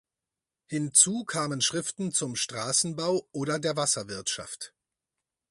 Hinzu kamen Schriften zum Straßenbau oder der Wasserwirtschaft.